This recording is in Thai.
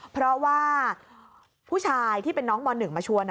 เพราะว่าผู้ชายที่เป็นน้องม๑มาชวน